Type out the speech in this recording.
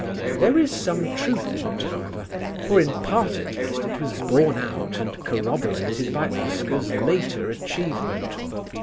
There is some truth in it, however, for in part at least it was borne out and corroborated by Oscar's later achievement.